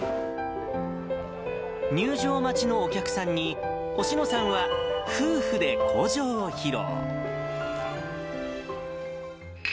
入場待ちのお客さんに、おしのさんは夫婦で口上を披露。